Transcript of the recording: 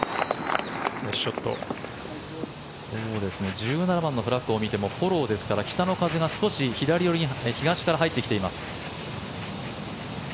１７番のフラッグを見てもフォローですから、北の風が少し東から入ってきています。